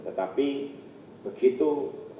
tetapi begitu rapat rapat